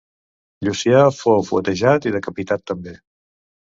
Llucià fou fuetejat i decapitat també.